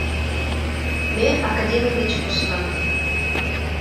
Ме академий деч поснат...